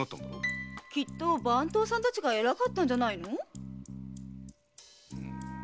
きっと番頭さんたちが偉かったんじゃないの？